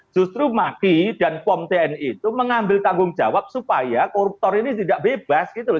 justru maki dan pom tni itu mengambil tanggung jawab supaya koruptor ini tidak bebas gitu loh